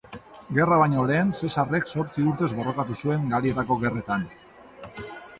Gerra baino lehen, Zesarrek zortzi urtez borrokatu zuen Galietako gerretan.